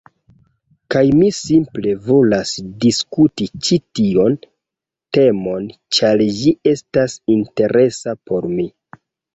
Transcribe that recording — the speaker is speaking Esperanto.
Kaj mi simple volas diskuti ĉi tion temon ĉar ĝi estas interesa por mi.